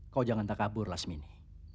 kau jangan takabur lasmini